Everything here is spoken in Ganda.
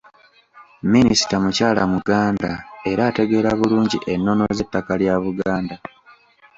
Minisita mukyala Muganda era ategeera bulungi ennono z’ettaka lya Buganda.